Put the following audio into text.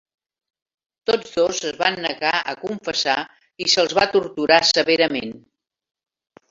Tots dos es van negar a confessar i se'ls va torturar severament.